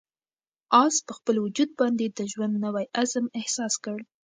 آس په خپل وجود باندې د ژوند نوی عزم احساس کړ.